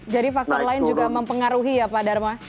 jadi faktor lain juga mempengaruhi ya pak dharma